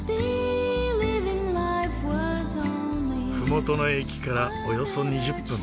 ふもとの駅からおよそ２０分。